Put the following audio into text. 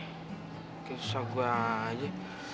bukan susah gue aja